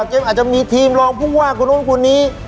แกมาจะมีทีมรองผู้ว่ากับคุณน้องคนนี้